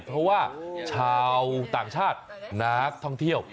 เพราะว่าชาวต่างชาตินักท่องเที่ยว